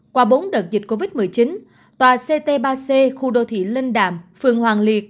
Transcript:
qua bốn đợt dịch covid một mươi chín tòa ct ba c khu đô thị linh đàm phường hoàng liệt